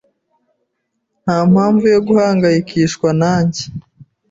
Nta mpamvu yo guhangayikishwa nanjye